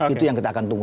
itu yang kita akan tunggu